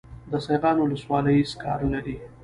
د سیغان ولسوالۍ سکاره لري